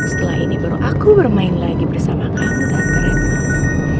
setelah ini baru aku bermain lagi bersama kamu tante retno